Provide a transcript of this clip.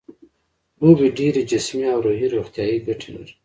لوبې ډېرې جسمي او روحي روغتیايي ګټې لري.